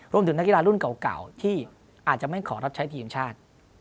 นักกีฬารุ่นเก่าที่อาจจะไม่ขอรับใช้ทีมชาติ